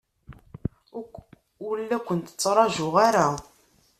Ur la kent-ttṛajuɣ ara.